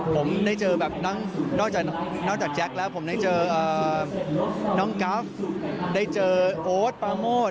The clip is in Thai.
ผมได้เจอแบบนอกจากแจ็คแล้วผมได้เจอน้องกราฟได้เจอโอ๊ตปาโมด